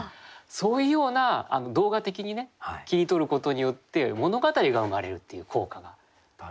そういうような動画的に切り取ることによって物語が生まれるっていう効果があるんですね。